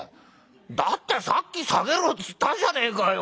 「だってさっき『下げろ』っつったじゃねえかよ。